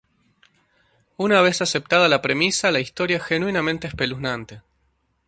Una vez aceptada la premisa, la historia es genuinamente espeluznante.